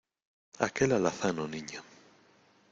aquel alazano, Niña.